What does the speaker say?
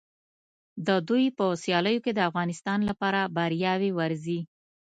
د دوی په سیالیو کې د افغانستان لپاره بریاوې ورځي.